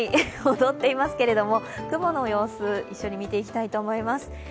踊っていますけれども、雲の様子一緒に見ていきたいと思います。